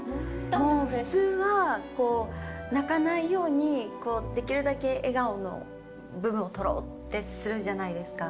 もう普通は、泣かないようにできるだけ笑顔の部分を撮ろうってするじゃないですか。